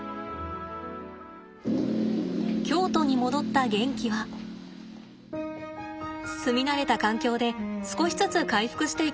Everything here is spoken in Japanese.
京都に戻ったゲンキは住み慣れた環境で少しずつ回復していきました。